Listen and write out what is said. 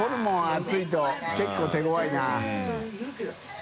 熱いと結構手ごわいな。